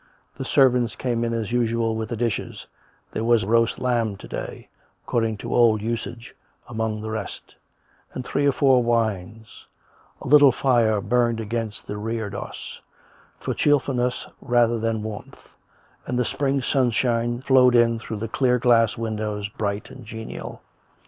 The servants came in as COME RACK! COME ROPE! Ql usual with the dishes — there was roast lamb to day, ac cording to old usage, among the rest; and three or four wines. A little fire burned against the reredos, for cheer fulness rather than warmth, and the spring sunshine flowed in through the clear glass windows, bright and genial.